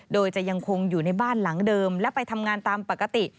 โดยจะยังคงอยู่ในบ้านหลังเดิมและไปทำงานตามปกติ